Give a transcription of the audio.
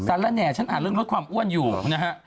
ละแหน่ฉันอ่านเรื่องลดความอ้วนอยู่นะฮะ